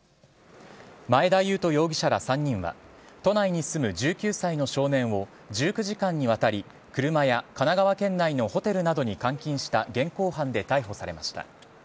前田悠翔容疑者ら３人は、都内に住む１９歳の少年を１９時間にわたり、車や神奈川県内のホテルなどに監禁した現行犯で逮捕されました。